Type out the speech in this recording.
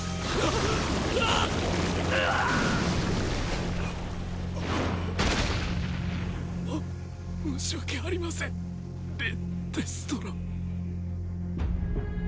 ああうあっ！！も申し訳ありませんリ・デストロ。